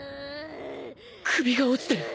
首が落ちてる。